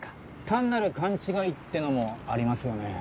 単なる勘違いっていうのもありますよね。